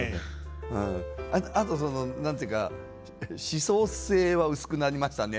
あとその何て言うか思想性は薄くなりましたね